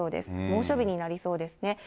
猛暑日になりそうですね。